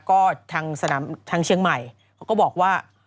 ก็ทางเชียงใหม่เขาก็บอกว่า